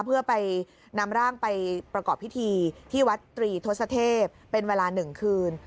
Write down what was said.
เพื่อไปนำร่างไปประกอบพิธีที่วัดตรีทศเทพเป็นเวลา๑คืน